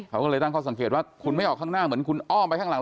เขาก็เลยตั้งข้อสังเกตว่าคุณไม่ออกข้างหน้าเหมือนคุณอ้อมไปข้างหลัง